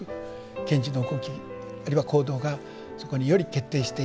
賢治の動きあるいは行動がそこにより決定していく。